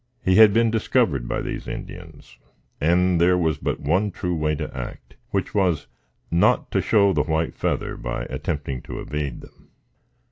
He had been discovered by these Indians, and there was but one true way to act, which was not to show the white feather by attempting to evade them.